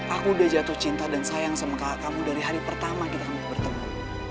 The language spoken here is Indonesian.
aku udah jatuh cinta dan sayang sama kakak kamu dari hari pertama juga kamu bertemu